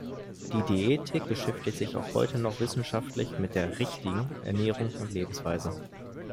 Die Diätetik beschäftigt sich auch heute noch wissenschaftlich mit der „richtigen“ Ernährungs- und Lebensweise.